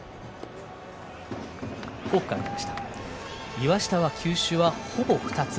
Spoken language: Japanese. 岩下は球種はほぼ２つ。